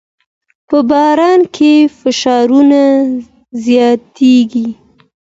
په بازار کې فشارونه زیاتېږي.